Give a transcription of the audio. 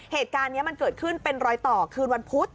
เหตุการณ์นี้มันเกิดขึ้นเป็นรอยต่อคืนวันพุธ